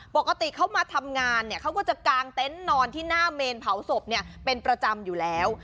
ปกติเขามาทำงานเนี่ยเขาก็จะกางเต็นต์นอนที่หน้าเมนเผาศพเนี่ยเป็นประจำอยู่แล้ว